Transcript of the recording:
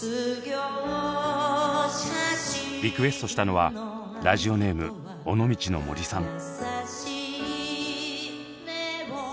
リクエストしたのはラジオネーム尾道のモリさん。